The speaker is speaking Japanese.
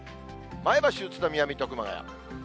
前橋、宇都宮、水戸、熊谷。